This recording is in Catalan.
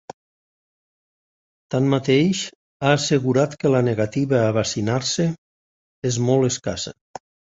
Tanmateix, ha assegurat que la negativa a vaccinar-se és molt escassa.